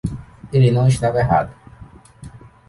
Ele não estava errado